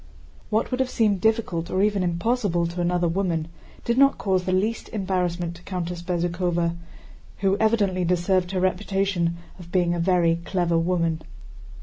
What would have seemed difficult or even impossible to another woman did not cause the least embarrassment to Countess Bezúkhova, who evidently deserved her reputation of being a very clever woman.